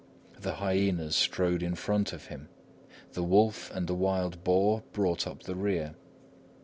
The hyenas strode in front of him, the wolf and the wild boar brought up the rear.